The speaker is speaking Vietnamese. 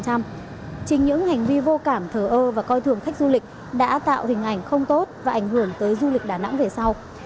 trên những hành vi vô cảm thờ ơ và coi thường khách du lịch đã tạo hình ảnh không tốt và ảnh hưởng tới du lịch đà nẵng về sau